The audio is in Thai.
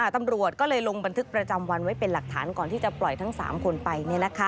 ตำรวจก็เลยลงบันทึกประจำวันไว้เป็นหลักฐานก่อนที่จะปล่อยทั้ง๓คนไป